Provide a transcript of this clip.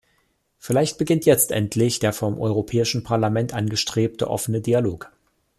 Vielleicht beginnt jetzt endlich der vom Europäischen Parlament angestrebte offene Dialog.